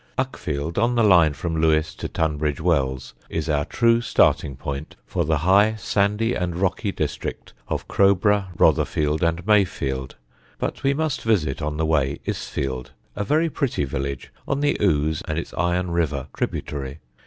Uckfield, on the line from Lewes to Tunbridge Wells, is our true starting point for the high sandy and rocky district of Crowborough, Rotherfield and Mayfield; but we must visit on the way Isfield, a very pretty village on the Ouse and its Iron River tributary.